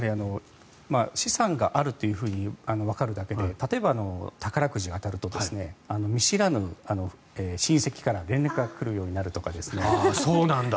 資産があるとわかるだけで例えば、宝くじが当たると見知らぬ親戚から連絡が来るようになるとか。